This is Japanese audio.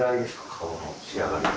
顔の仕上がり。